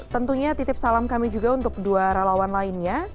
tentunya titip salam kami juga untuk dua relawan lainnya